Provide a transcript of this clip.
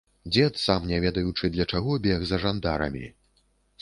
Дзед, сам не ведаючы для чаго, бег за жандарамі.